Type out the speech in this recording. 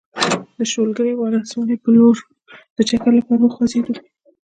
د شولګرې ولسوالۍ په لور د چکر لپاره وخوځېدو.